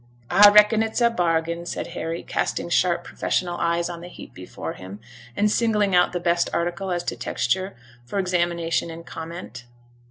'A reckon it's a bargain,' said Harry, casting sharp, professional eyes on the heap before him, and singling out the best article as to texture for examination and comment.